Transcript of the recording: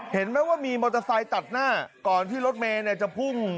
เห็นไหมว่ามีมอเตอร์ไซค์ตัดหน้าก่อนที่รถเมย์จะพุ่ง